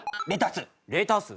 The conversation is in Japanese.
レタス。